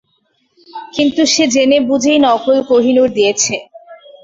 কিন্তু সে জেনে বুঝেই নকল কোহিনূর দিয়েছে।